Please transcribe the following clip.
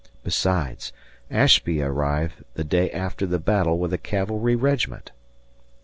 Besides, Ashby arrived the day after the battle with a cavalry regiment.